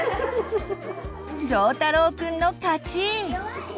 じょうたろうくんの勝ち！